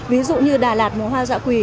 ví dụ như đà lạt mùa hoa dạ quỳ